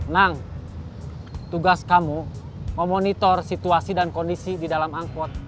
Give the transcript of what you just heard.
nang tugas kamu memonitor situasi dan kondisi di dalam angkot